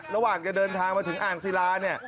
ระหว่างจะเดินทางมาถึงอ่างศิลาเนี่ย